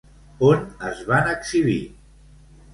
On es van exhibir?